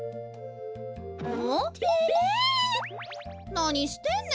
なにしてんねん？